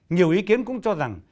nhiều ý kiến cũng cho rằng